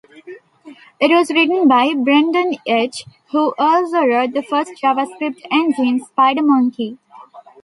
It was written by Brendan Eich, who also wrote the first JavaScript engine, SpiderMonkey.